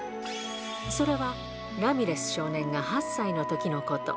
それはラミレス少年が８歳のときのこと。